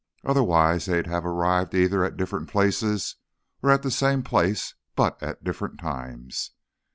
Otherwise, they'd have arrived either at different places, or at the same place but at different times.